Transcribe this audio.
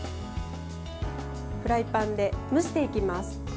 フライパンで蒸していきます。